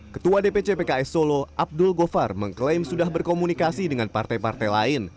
ketua dpc pks solo abdul govar mengklaim sudah berkomunikasi dengan partai partai lain